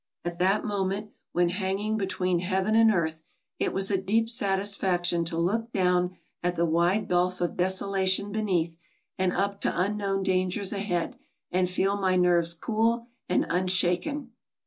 At that moment, when hanging between heaven and earth, it was a deep satisfaction to look down at the wide gulf of desolation beneath, and up to unknown dangers ahead, and feel my nerves cool and unshaken.